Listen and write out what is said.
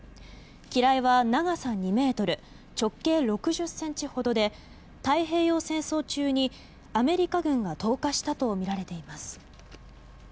機雷は長さ２ｍ、直径６０ｃｍほどで太平洋戦争中にアメリカ軍が投下したとみられています。